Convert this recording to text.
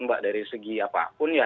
mbak dari segi apapun ya